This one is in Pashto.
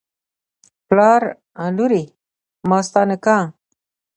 پلار: لورې ماستا نکاح